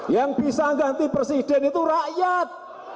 yang bisa ganti presiden itu rakyat